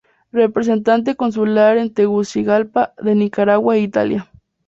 Representante consular en Tegucigalpa de Nicaragua e Italia.